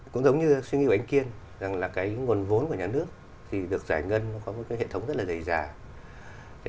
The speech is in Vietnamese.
cũng giống như suy nghĩ của anh kiên rằng là cái nguồn vốn của nhà nước thì được giải ngân nó có một cái hệ thống rất là dày dào